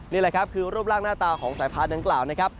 นี่แหละครับคือรูปร่างหน้าตาของสายพานดังกล่าวนะครับ